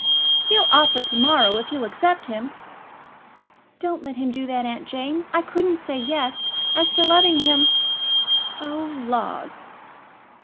"He'll offer to morrow, if you'll accept him." "Don't let him do that, Aunt Jane. I couldn't say Yes. As for loving him; oh, laws!"